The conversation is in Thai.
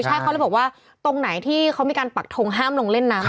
ใช่เขาเลยบอกว่าตรงไหนที่เขามีการปักทงห้ามลงเล่นน้ำ